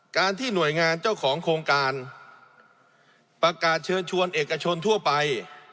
การที่หน่วยงานเจ้าของโครงการประกาศเชิญชวนเอกชนทั่วไป